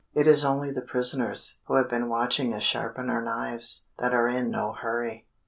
It is only the prisoners, who have been watching us sharpen our knives, that are in no hurry."